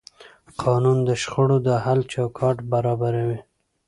قانون د شخړو د حل چوکاټ برابروي.